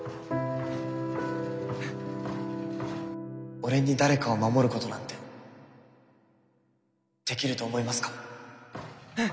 俺に誰かを守ることなんてできると思いますか？